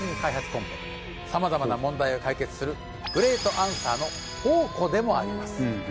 コンペ様々な問題を解決するグレートアンサーの宝庫でもあります